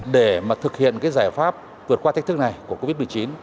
để thực hiện giải pháp vượt qua thách thức này của covid một mươi chín